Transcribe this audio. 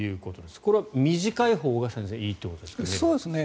これは短いほうが先生、いいということですかね。